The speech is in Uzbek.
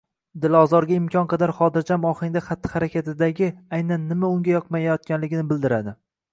– dilozorga imkon qadar xotirjam ohangda xatti-harakatidagi aynan nima unga yoqmayotganligini bildiradi.